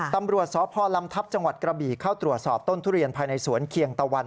ตำรวจสพลำทัพจังหวัดกระบี่เข้าตรวจสอบต้นทุเรียนภายในสวนเคียงตะวัน